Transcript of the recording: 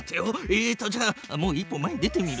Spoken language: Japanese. えっとじゃあもう一歩前に出てみる？